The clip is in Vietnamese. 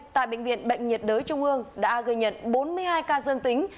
tại bệnh viện bệnh nhiệt đới trung ương đã ghi nhận bốn mươi hai ca dương tính